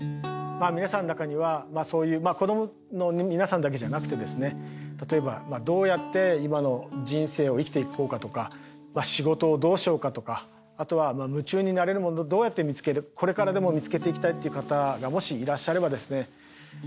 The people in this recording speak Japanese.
まあ皆さんの中にはそういう子供の皆さんだけじゃなくてですね例えばどうやって今の人生を生きていこうかとか仕事をどうしようかとかあとは夢中になれるものをどうやって見つけるこれからでも見つけていきたいっていう方がもしいらっしゃればですね